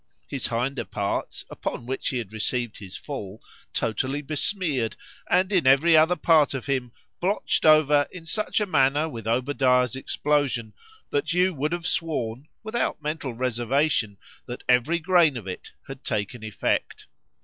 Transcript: His hinder parts, upon which he had received his fall, totally besmeared,——and in every other part of him, blotched over in such a manner with Obadiah's explosion, that you would have sworn (without mental reservation) that every grain of it had taken effect.